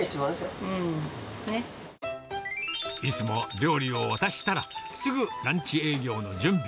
いつも料理を渡したら、すぐランチ営業の準備。